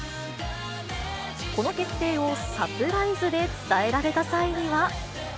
この決定をサプライズで伝えられた際には。